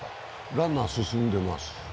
ランナー進んでいます。